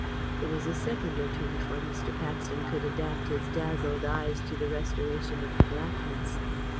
It was a second or two before Mr. Paxton could adapt his dazzled eyes to the restoration of the blackness.